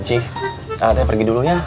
cik a aku pergi dulu ya